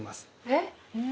えっ？